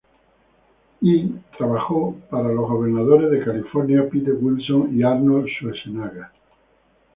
Yee trabajó para los gobernadores de California Pete Wilson y Arnold Schwarzenegger.